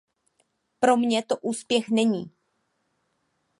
Pro mě to úspěch není.